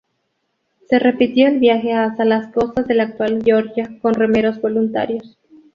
Se repitió el viaje hasta las costas de la actual Georgia con remeros voluntarios.